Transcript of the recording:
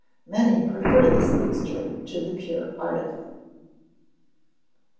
Many prefer this mixture to the pure article.